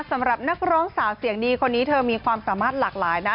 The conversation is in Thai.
สำหรับนักร้องสาวเสียงดีคนนี้เธอมีความสามารถหลากหลายนะ